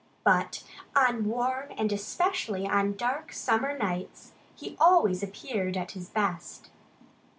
But on warm, and especially on dark summer nights he always appeared at his best.